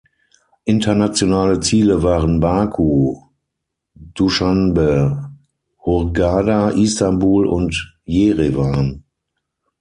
Internationale Ziele waren Baku, Duschanbe, Hurghada, Istanbul und Jerewan.